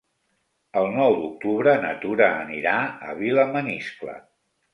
El nou d'octubre na Tura anirà a Vilamaniscle.